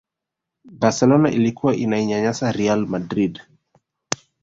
barcelona ilikuwa inainyanyasa real madrid